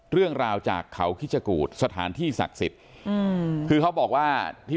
เรื่องราวจากเขาคิชกูธสถานที่ศักดิ์สิทธิ์